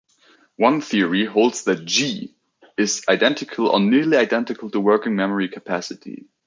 One theory holds that "g" is identical or nearly identical to working memory capacity.